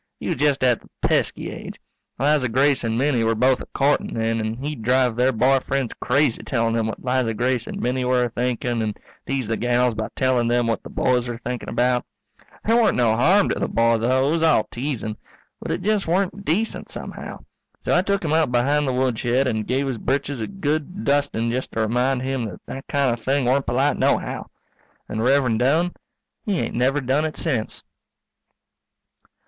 He was just at the pesky age. Liza Grace and Minnie were both a courtin' then, and he'd drive their boy friends crazy telling them what Liza Grace and Minnie were a thinking and tease the gals by telling them what the boys were thinking about. There weren't no harm in the boy, though, it was all teasing. But it just weren't decent, somehow. So I tuk him out behind the woodshed and give his britches a good dusting just to remind him that that kind of thing weren't polite nohow. And Rev'rend Doane, he ain't never done it sence.